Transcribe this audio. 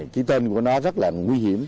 cái tên của nó rất là nguy hiểm